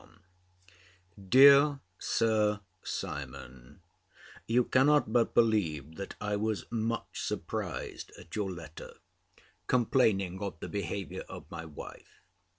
_ DEAR SIR SIMON, You cannot but believe that I was much surprised at your letter, complaining of the behaviour of my wife.